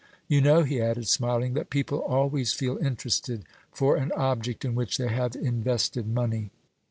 You know," he added, smiling, "that people always feel interested for an object in which they have invested money."